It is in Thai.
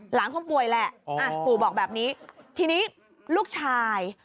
คงป่วยแหละปู่บอกแบบนี้ทีนี้ลูกชาย